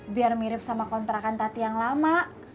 biar mirip sama kontrakan tati yang lama